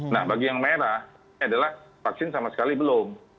nah bagi yang merah adalah vaksin sama sekali belum